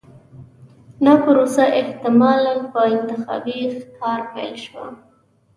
دا پروسه احتمالاً په انتخابي ښکار پیل شوه.